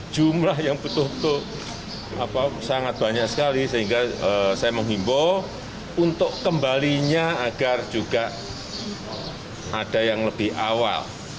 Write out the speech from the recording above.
jumlah yang betul betul sangat banyak sekali sehingga saya menghimbau untuk kembalinya agar juga ada yang lebih awal